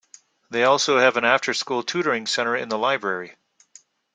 They also have an after school tutoring center in the library.